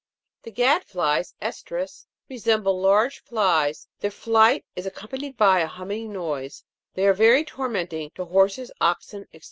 18. The gad flies (CEstrus) resemble large flies ; their flight is accompanied by a humming noise ; they are very tormenting to horses, oxen, &c.